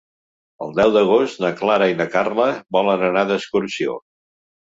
El deu d'agost na Clara i na Carla volen anar d'excursió.